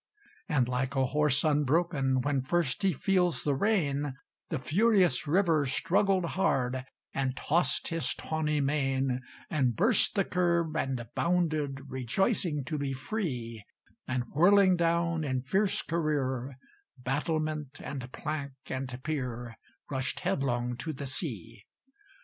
And, like a horse unbroken When first he feels the rein, The furious river struggled hard, And tossed his tawny mane; And burst the curb, and bounded, Rejoicing to be free; And whirling down, in fierce career, Battlement, and plank, and pier, Rushed headlong to the sea.